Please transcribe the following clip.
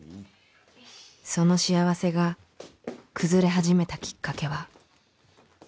その幸せが崩れ始めたきっかけは